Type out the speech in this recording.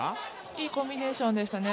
いいコンビネーションでしたね。